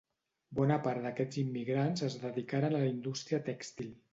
Bona part d'aquests immigrants es dedicaren a la indústria tèxtil.